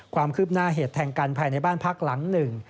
ความคืบหน้าเหตุแทงกันภายในบ้านพักหลังหนึ่ง